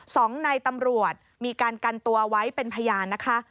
สองในตำรวจมีการกันตัวไว้เป็นพยานนะคะ